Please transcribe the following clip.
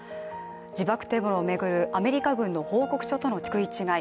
自爆テロを巡るアメリカ軍の報告書との食い違い。